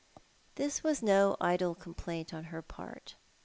This was no idle complaint en her part.